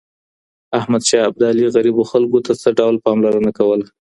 احمد شاه ابدالي غریبو خلګو ته څه ډول پاملرنه کوله؟